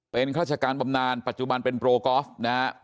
เป็นข้าราชการบำนานปัจจุบันเป็นโปรกอล์ฟนะฮะ